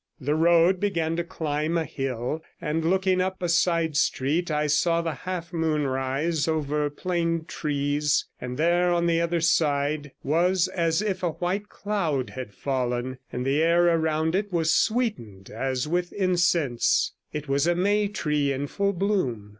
The road began to climb a hill, and looking up a side street I saw the half moon rise over plane trees, and there on the other side was as if a white cloud had fallen, and the air around it was sweetened as with incense; it was a may tree in full bloom.